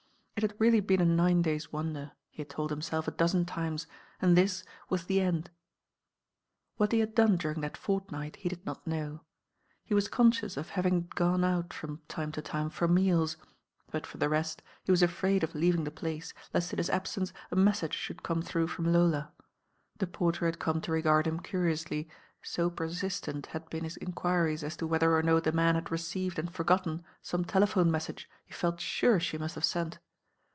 It had really been a nine dayt' wonder, he had told himtelf a dozen timet, and thit W2t the end. What he had done during that fortnight he did not know. He wat contciout of having gone out from time to time for mealt; but for the rett, he wat afraid of leaving the place, Ictt in hit abtence a mettage thould come through from Lola. The porter had come to regard him curioutly, to per tittent had been hit enquiriet at to whether or no the man had received and forgotten tome telephone mettage he felt ture the mutt have tent.